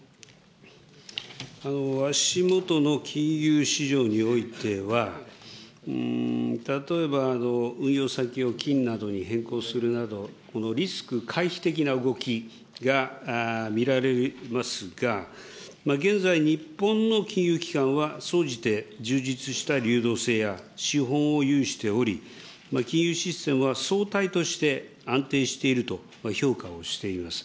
足下の金融市場においては、例えば運用先を金などに変更するなど、このリスク回避的な動きが見られますが、現在、日本の金融機関は総じて充実した流動性や資本を有しており、金融システムは総体として安定していると評価をしています。